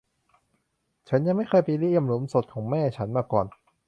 ฉันยังไม่เคยไปเยี่ยมหลุมศพของแม่ฉันมาก่อน